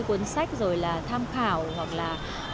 cuốn sách rồi là tham khảo hoặc là